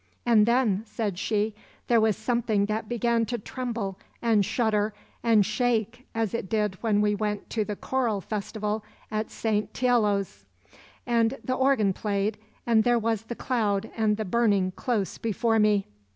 'And then,' said she, 'there was something that began to tremble and shudder and shake as it did when we went to the Choral Festival at St. Teilo's, and the organ played, and there was the cloud and the burning close before me.